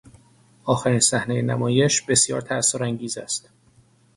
آخرین صحنهی نمایش بسیار تاثرانگیز است.